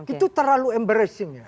itu terlalu embarrassing ya